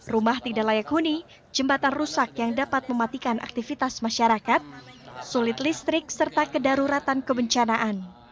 rumah tidak layak huni jembatan rusak yang dapat mematikan aktivitas masyarakat sulit listrik serta kedaruratan kebencanaan